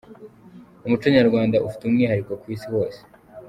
umuco nyarwanda ufite umwihariko kwisi hose